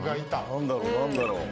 何だろう何だろう。